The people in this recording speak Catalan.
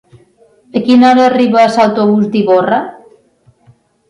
A quina hora arriba l'autobús d'Ivorra?